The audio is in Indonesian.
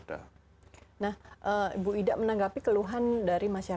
nah ibu ida menanggapi keluhan dari masyarakat